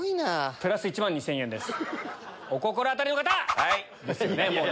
プラス１万２０００円です。